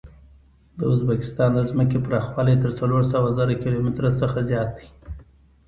د ازبکستان د ځمکې پراخوالی تر څلور سوه زره کیلو متره څخه زیات دی.